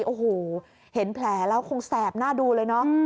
โอ้โหเห็นแผลแล้วคงแสบหน้าดูเลยเนอะ